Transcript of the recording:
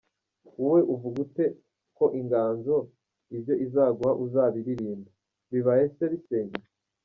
Wowe uvuga ute ko inganzo ibyo izaguha uzabiririmba, bibaye se bisenya ?.